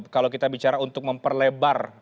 kalau kita bicara untuk memperlebar